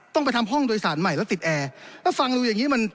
ต้องไปทำห้องโดยสารใหม่แล้วติดแอร์แล้วฟังดูอย่างงี้มัน